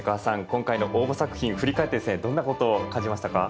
今回の応募作品振り返ってどんなことを感じましたか？